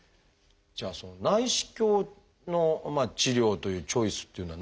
じゃあその内視鏡の治療というチョイスっていうのはないんですか？